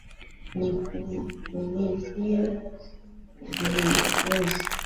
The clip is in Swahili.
ni kutimiza vigezo vilivyopo na kama vigezo havijatimia wataelekezwa jinsi ya kuvifikia